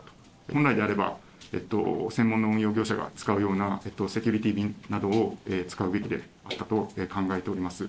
本来であれば、専門の運用業者が使うようなセキュリティー便などを使うべきであったと考えております。